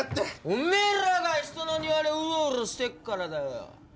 おめえらが人の庭でうろうろしてっからだよ。